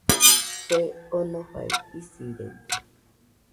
Kue onofai isirede